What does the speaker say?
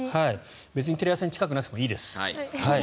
別にテレ朝に近くなくていいです。